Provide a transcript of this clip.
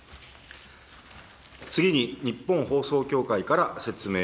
次に日本放送協会から。